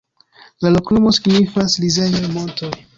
La loknomo signifas: rizejoj-montoj.